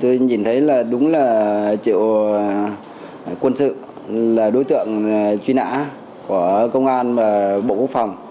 tôi nhìn thấy là đúng là triệu quân sự là đối tượng truy nã của công an và bộ quốc phòng